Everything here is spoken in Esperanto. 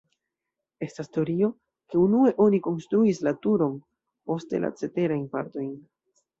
Estas teorio, ke unue oni konstruis la turon, poste la ceterajn partojn.